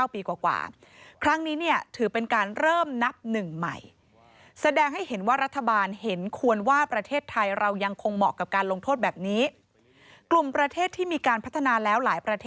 แต่ครั้งนี้เราประหารในรอบ๙ปีกว่า